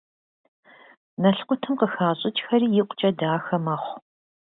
Налкъутым къыхащӏьӀкӀхэри икъукӀэ дахэ мэхъу.